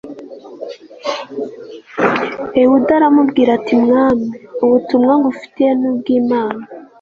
ehudi aramubwira ati mwami, ubutumwa ngufitiye ni ubw'imana